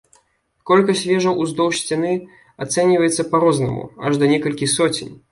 Колькасць вежаў уздоўж сцены ацэньваецца па-рознаму, аж да некалькіх соцень.